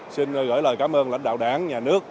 xin gửi lời cảm ơn lãnh đạo đảng nhà nước